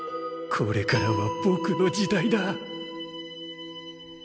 これからはぼくの時代だ！